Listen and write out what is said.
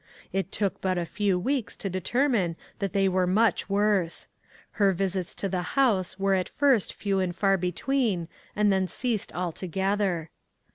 It took but a few weeks to determine that they were much worse. Her visits to the house were at first few and far between, and then ceased altogether.